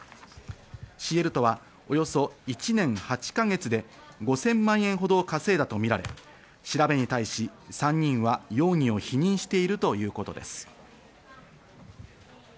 シエルトはおよそ１年８か月で５０００万円ほどを稼いだとみられ、調べに対し３人は容疑を否認しているということです。